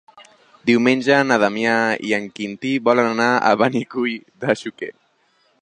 Diumenge na Damià i en Quintí volen anar a Benicull de Xúquer.